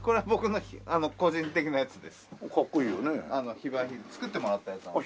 非売品作ってもらったやつなので。